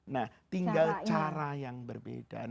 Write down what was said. nah tinggal cara yang berbeda